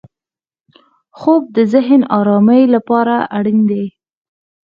خوب د ذهن ارامۍ لپاره اړین دی